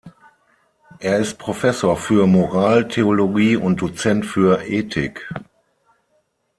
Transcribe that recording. Er ist Professor für Moraltheologie und Dozent für Ethik.